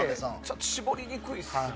絞りにくいですね。